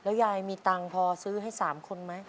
ยายมีตังค์พอซื้อให้๓คนไหม